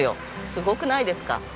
すごくないですか？